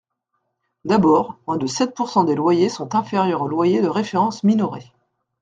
D’abord, moins de sept pourcent des loyers sont inférieurs au loyer de référence minoré.